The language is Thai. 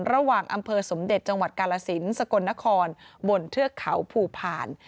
อำเภอสมเด็จจังหวัดกาลสินสกลนครบนเทือกเขาภูผ่าน